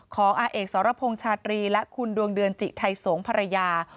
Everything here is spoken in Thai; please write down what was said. อาเอกสรพงษ์ชาตรีและคุณดวงเดือนจิไทยสงศ์ภรรยา